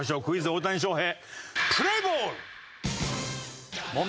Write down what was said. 大谷翔平。